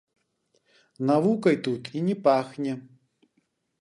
Навукай тут і не пахне.